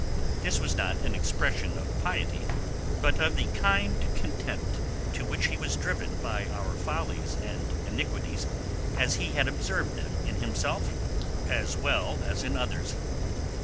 This was not an expression of piety, but of the kind contempt to which he was driven by our follies and iniquities as he had observed them in himself as well as in others.